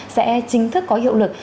sẽ chính thức có hiệu lực